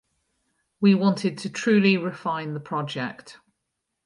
We wanted to truly refine the project.